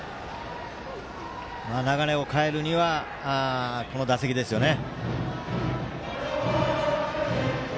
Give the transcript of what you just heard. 流れを変えるにはこの打席ですよね。